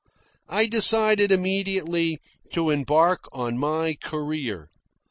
I decided immediately to embark on my career.